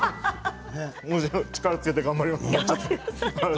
力をつけて頑張ります。